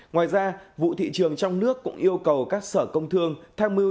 ngoài ra vụ thị trường trong nước cũng yêu cầu các sở công thương tham mưu